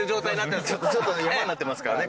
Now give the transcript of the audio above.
ちょっと山になってますからね